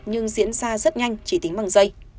nhưng diễn ra rất nhanh chỉ tính bằng dây